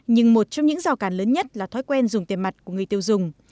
nhưng một trong những rào cản lớn nhất là thói quen dùng tiền mặt của người tiêu dùng